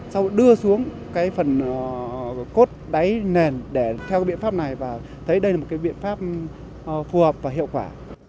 sau đưa xuống cái phần cốt đáy nền để theo biện pháp này và thấy đây là một cái biện pháp phù hợp và hiệu quả